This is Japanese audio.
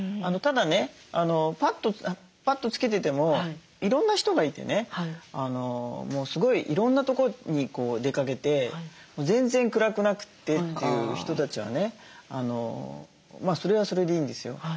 ただねパッドつけててもいろんな人がいてねもうすごいいろんなとこに出かけて全然暗くなくてっていう人たちはねそれはそれでいいんですよ。